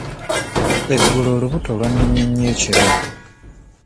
Eggulo olubuto lwannumye nnyo ekiro.